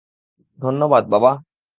ধন্যবাদ, বাবা।